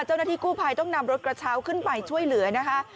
เจ้าหน้าที่กู้ภัยต้องนำรถกระเช้าขึ้นไปช่วยเหลือนะคะ